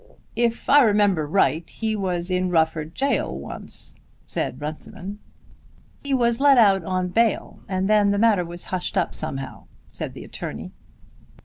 "If I remember right he was in Rufford Gaol once," said Runciman. "He was let out on bail and then the matter was hushed up somehow," said the attorney.